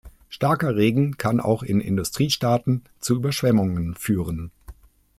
Starker Regen kann auch in Industriestaaten zu Überschwemmungen führen.